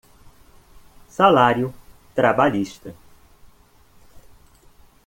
Salário trabalhista